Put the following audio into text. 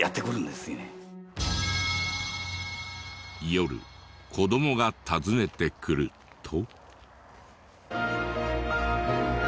夜子どもが訪ねてくると。